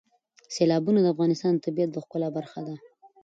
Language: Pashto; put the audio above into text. سیلابونه د افغانستان د طبیعت د ښکلا برخه ده.